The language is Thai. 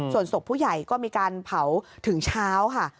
ส่วนศพผู้ใหญ่ก็มีการเผาถึงเช้าค่ะ